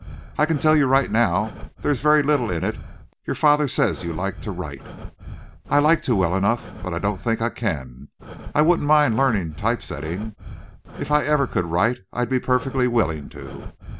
"I can tell you right now there's very little in it. Your father says you like to write." "I'd like to well enough, but I don't think I can. I wouldn't mind learning type setting. If I ever could write I'd be perfectly willing to."